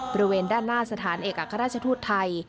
บริเวณด้านหน้าสถานเอกอัครราชทูตไทย